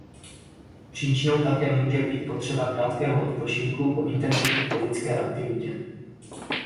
Příčinou také může být potřeba krátkého odpočinku po intenzivní fyzické aktivitě.